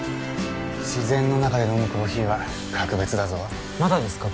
自然の中で飲むコーヒーは格別だぞまだですか？